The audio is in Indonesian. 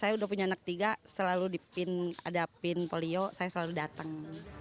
saya udah punya anak tiga selalu di pin ada pin polio saya selalu datang